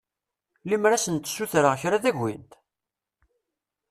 Lemmer ad sent-ssutreɣ kra ad agint?